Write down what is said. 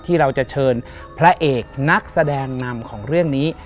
ที่เราจะเชิญพระเอกนักแสดงนำของเรื่องนี้